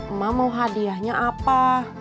emak mau hadiahnya apa